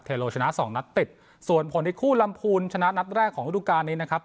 โลชนะสองนัดติดส่วนผลที่คู่ลำพูนชนะนัดแรกของฤดูการนี้นะครับ